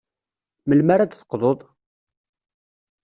Melmi ara d-teqḍud?